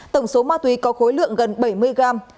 tổng số ma túy có khối lượng gần bảy mươi gram